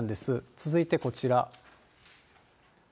続いてこちら。